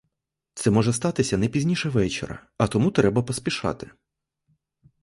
Це може статися не пізніше вечора, а тому треба поспішати.